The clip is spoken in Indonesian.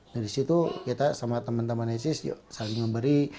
nah disitu kita sama teman teman netsis yuk saling memberi